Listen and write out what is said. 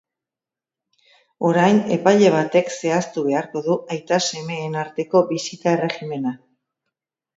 Orain epaile batek zehaztu beharko du aita-semeen arteko bisita erregimena.